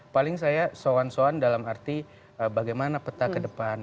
paling saya soan soan dalam arti bagaimana peta ke depan